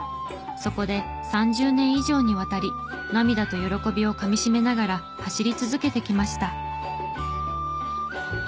そこで３０年以上にわたり涙と喜びをかみ締めながら走り続けてきました。